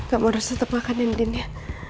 kamu harus tetap makan andin ya